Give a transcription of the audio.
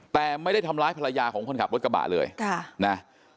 แต่ไม่ได้ทำร้ายภรรยาของคนขับรถกระบะเลยค่ะนะ